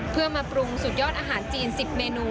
เพื่อมาปรุงสุดยอดอาหารจีน๑๐เมนู